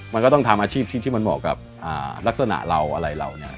มันก็ต้องทำอาชีพที่มันเหมาะกับลักษณะเราอะไรเราเนี่ย